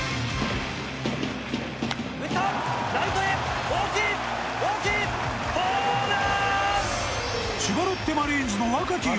打ったライトへ大きい大きいホームラン！